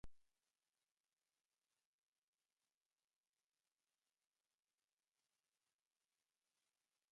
He was involved in operations in Somalia, Sudan, Mozambique and the Balkans.